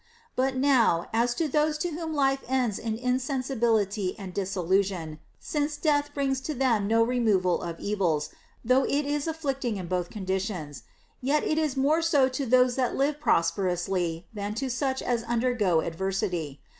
201 But now, as to those to whom life ends in insensibility and dissolution, — since death brings to them no removal of evils, though it is afflicting in both conditions, yet is it more so to those that live prosperously than to such as undergo adversity.